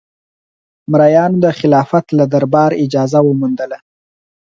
مریانو د خلافت له دربار اجازه وموندله.